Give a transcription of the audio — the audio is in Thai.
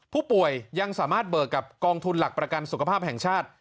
ผู้ป่วยยังสามารถเบิกกับกองทุนหลักประกันสุขภาพแห่งชาติ